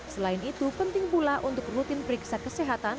selain itu penting pula untuk rutin periksa kesehatan